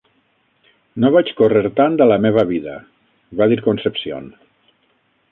"No vaig córrer tant a la meva vida," va dir Concepcion.